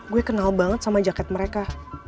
gue kenal banget sama jaket mereka